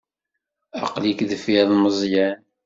Aql-ik deffir n Meẓyan.